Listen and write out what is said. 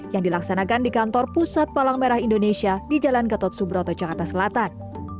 yang dilaksanakan di kantor pusat palang merah indonesia di jalan gatot subroto jakarta selatan